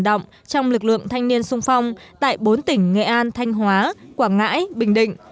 động trong lực lượng thanh niên sung phong tại bốn tỉnh nghệ an thanh hóa quảng ngãi bình định